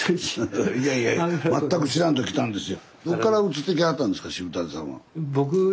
いやいやいや全く知らんと来たんですよ。